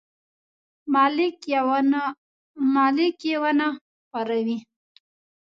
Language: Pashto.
ملک یې ونه پاروي.